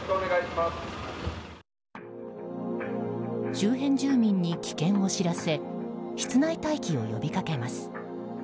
周辺住民に危険を知らせ室内待機を呼びかけます。